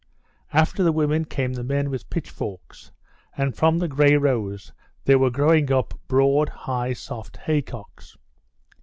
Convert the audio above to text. After the women came the men with pitchforks, and from the gray rows there were growing up broad, high, soft haycocks.